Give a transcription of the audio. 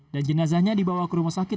dan jenazahnya dibawa ke rumah sakit